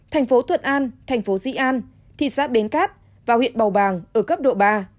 thành phố thuận an thành phố di an thị xã bến cát và huyện bầu bàng ở cấp độ ba